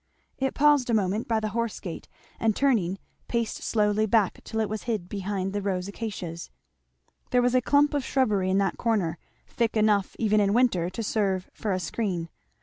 It paused a moment by the horse gate, and turning paced slowly back till it was hid behind the rose acacias. There was a clump of shrubbery in that corner thick enough even in winter to serve for a screen.